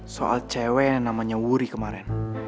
soal cewek namanya wuri kemaren